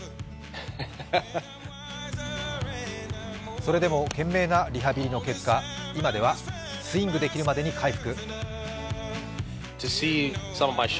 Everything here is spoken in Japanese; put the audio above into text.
それでも、懸命なリハビリの結果、今ではスイングできるまでに回復。